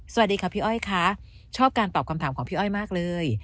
สวัสดีค่ะพี่อ้อยค่ะชอบการตอบคำถามของพี่อ้อยมากเลย